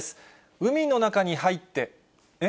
海の中に入って、えっ？